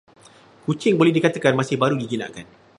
Kucing boleh dikatakan masih baru dijinakkan.